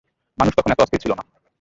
মানুষ তখন এত অস্থির ছিল না।